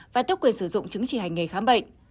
và tước quyền sử dụng chứng chỉ hành nghề khám bệnh